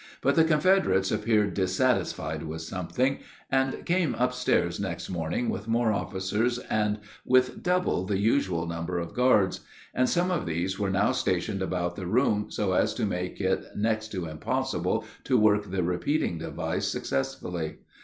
But the Confederates appeared dissatisfied with something, and came up stairs next morning with more officers and with double the usual number of guards; and some of these were now stationed about the room so as to make it next to impossible to work the repeating device successfully.